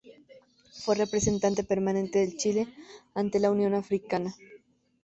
Fue Representante Permanente de Chile ante la Unión Africana.